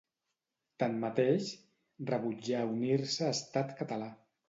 Tanmateix, rebutjà unir-se a Estat Català.